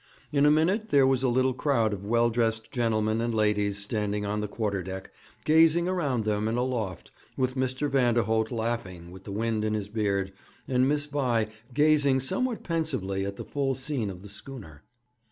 In a minute there was a little crowd of well dressed gentlemen and ladies standing on the quarter deck, gazing around them and aloft, with Mr. Vanderholt laughing with the wind in his beard, and Miss Vi gazing somewhat pensively at the full scene of the schooner.